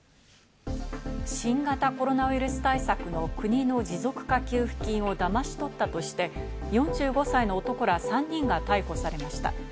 新型コロナウイルス対策の国の持続化給付金をだまし取ったとして、４５歳の男ら３人が逮捕されました。